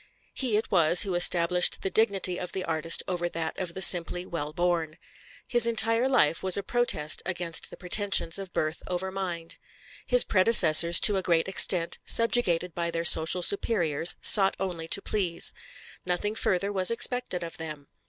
He it was who established the dignity of the artist over that of the simply well born. His entire life was a protest against the pretensions of birth over mind. His predecessors, to a great extent subjugated by their social superiors, sought only to please. Nothing further was expected of them.